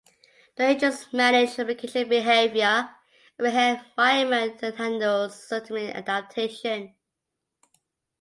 The agents manage application behavior and environment handles systemic adaptation.